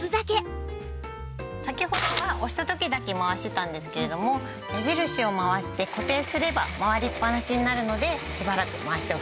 先ほどは押した時だけ回してたんですけれども目印を回して固定すれば回りっぱなしになるのでしばらく回しておきます。